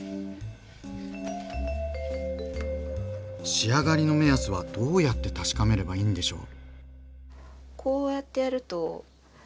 仕上がりの目安はどうやって確かめればいいんでしょう？